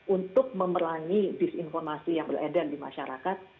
untuk memerangi disinformasi yang beredar di masyarakat